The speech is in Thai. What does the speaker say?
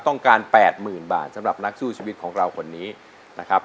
ต้องการแปดหมื่นบาทสำหรับนักสู้ชีวิตของเราคนนี้นะครับ